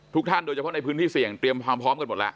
ท่านโดยเฉพาะในพื้นที่เสี่ยงเตรียมความพร้อมกันหมดแล้ว